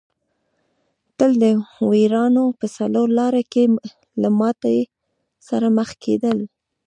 تل د وېرونا په څلور لاره کې له ماتې سره مخ کېدل.